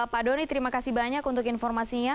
pak doni terima kasih banyak untuk informasinya